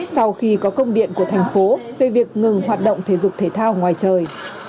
sau khi có công điện của thành phố về việc ngừng hoạt động thể dục thể thao ngoài trời